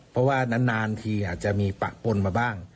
เพราะว่านานทีอาจจะมีปะปนมาบ้าง